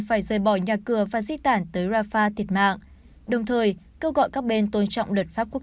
phải rời bỏ nhà cửa và di tản tới rafah thiệt mạng đồng thời kêu gọi các bên tôn trọng luật pháp quốc